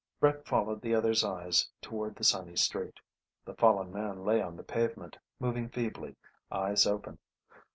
Brett followed the other's eyes toward the sunny street. The fallen man lay on the pavement, moving feebly, eyes open.